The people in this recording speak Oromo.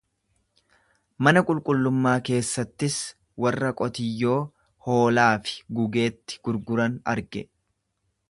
Mana qulqullummaa keessattis warra qotiyyoo, hoolaa fi gugeetti gurguran arge.